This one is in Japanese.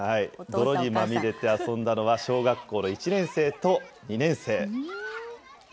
泥にまみれて遊んだのは、小学校の１年生と２年生。